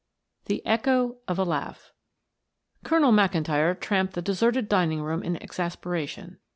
THE ECHO OF A LAUGH Colonel McIntyre tramped the deserted dining room in exasperation.